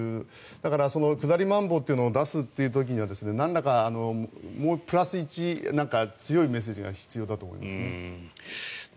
だから、下りまん防を出すという時はなんらか、プラス１強いメッセージが必要だと思いますね。